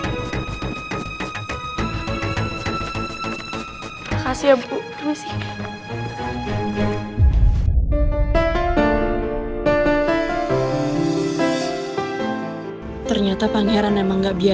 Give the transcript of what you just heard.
ada apa ya bu